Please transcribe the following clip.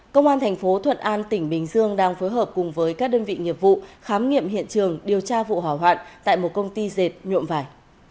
công an thành phố thuận an tỉnh bình dương đang phối hợp cùng với các đơn vị nghiệp vụ khám nghiệm hiện trường điều tra vụ hỏa hoạn tại một công ty dệt nhuộm vải